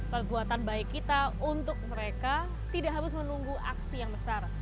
perbuatan baik kita untuk mereka tidak harus menunggu aksi yang besar